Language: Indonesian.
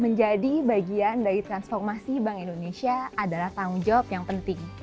menjadi bagian dari transformasi bank indonesia adalah tanggung jawab yang penting